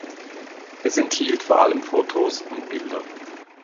Es enthielt vor allem Fotos und Bilder.